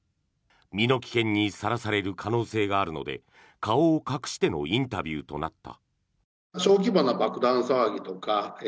身の危険にさらされる可能性があるので顔を隠してのインタビューとなった。